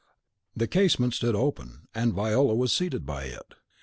The casement stood open, and Viola was seated by it.